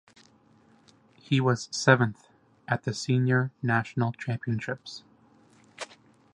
He was seventh at the senior national championships.